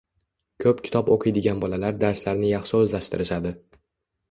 Ko‘p kitob o‘qiydigan bolalar darslarni yaxshi o‘zlashtirishadi.